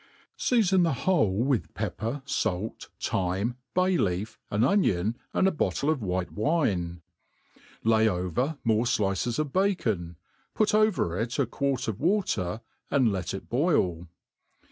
Seafon the whole with « pepper, fait, thyme, hay*leaf, an onion, and a bottle of white wine ; lay over more flices of bacon, put over it a quart of wa* ter, and let it boil.